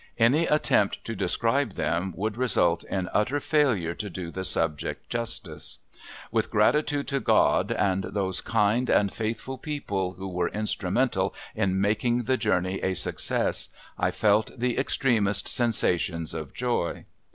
Any attempt to describe them would result in utter failure to do the subject justice. With gratitude to God and those kind and faithful people who were instrumental in making the journey a success, I felt the extremest sensations of joy.